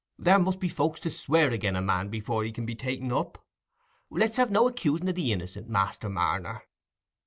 There must be folks to swear again' a man before he can be ta'en up. Let's have no accusing o' the innicent, Master Marner."